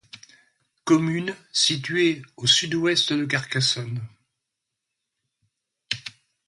Commune située au sud-ouest de Carcassonne.